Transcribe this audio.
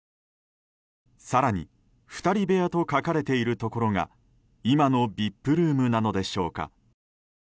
更に２人部屋と書かれているところが今のＶＩＰルームなのでしょうか。